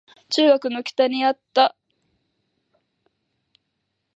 いまの銅駝中学の北にあった木戸孝允の住居跡に移りました